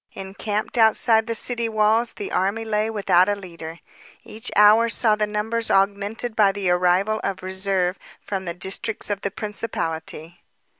Encamped outside the city walls the army lay without a leader. Each hour saw the numbers augmented by the arrival of reserves from the districts of the principality.